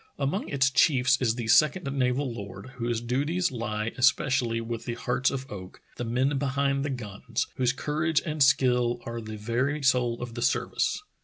Among its chiefs is the second naval lord, whose duties lie especially with the hearts of oak, the men be hind the guns, whose courage and skill are the very soul of the service.